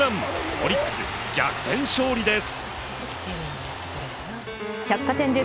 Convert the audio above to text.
オリックス、逆転勝利です。